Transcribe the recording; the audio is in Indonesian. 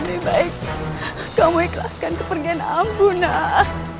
paling baik kamu ikhlaskan kepergian ambu nah